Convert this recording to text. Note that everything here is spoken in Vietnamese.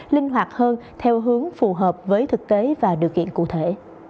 linh hoạt hơn theo hướng phù hợp với thực tế và điều kiện cụ thể